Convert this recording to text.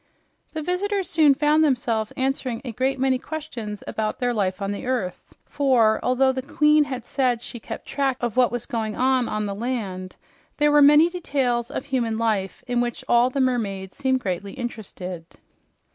The visitors soon found themselves answering a great many questions about their life on the earth, for although the queen had said she kept track of what was going on on the land, there were many details of human life in which all the mermaids seemed greatly interested.